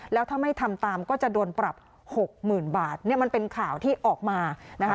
แล้วถ้าไม่ทำตามก็จะโดนปรับหกหมื่นบาทเนี่ยมันเป็นข่าวที่ออกมานะคะ